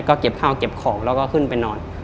ก็เก็บข้าวเก็บของแล้วก็ขึ้นไปนอน